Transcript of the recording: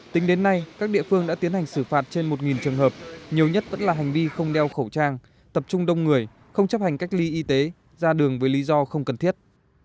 tính đến nay các địa phương đã tiến hành xử phạt trên một trường hợp nhiều nhất vẫn là hành vi không đeo khẩu trang tập trung đông người không chấp hành cách ly y tế ra đường với lý do không cần thiết